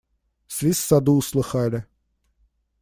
Свист в саду услыхали.